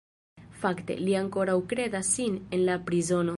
Fakte, li ankoraŭ kredas sin en la prizono.